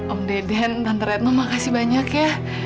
om deden mantan retno makasih banyak ya